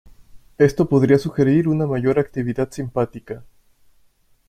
Esto podría sugerir una mayor actividad simpática.